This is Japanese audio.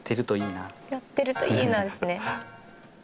「なってるといいな」ですね。